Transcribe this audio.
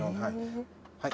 はい